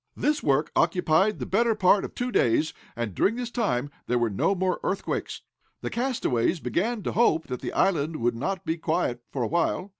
This work occupied the better part of two days, and during this time, there were no more earthquakes. The castaways began to hope that the island would not be quiet for a while.